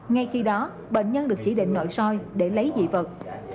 ngay khi đó bệnh nhân được chỉ định nội soi để lấy dị vật